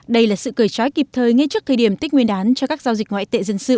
đây là sự cười chói kịp thời ngay trước thời điểm tích nguyên đán cho các giao dịch ngoại tệ dân sự